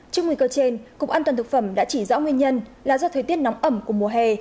trong nguy cơ trên cục an toàn thực phẩm đã chỉ rõ nguyên nhân là do thời tiết nóng ẩm của mùa hè